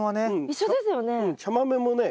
一緒ですよね？